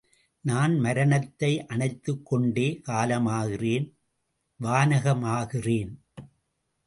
நான் மரணத்தை அணைத்துக் கொண்டே காலமாகிறேன் வானகமாகிறேன்.